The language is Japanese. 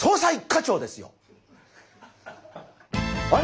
１課長ですよ。